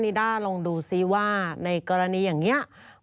้าลองดูซิว่าในกรณีอย่างนี้